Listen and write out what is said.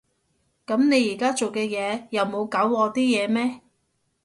噉你而家做嘅嘢又冇搞禍啲嘢咩？